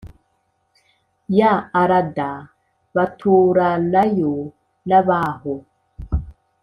ya Arada baturanayo n abaho